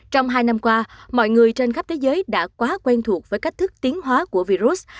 trong hai năm qua mọi người trên khắp thế giới đã quá quen thuộc với cách thức tiến hóa của virus